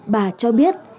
bà cho biết